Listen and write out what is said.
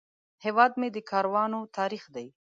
هیواد مې د کاروانو تاریخ دی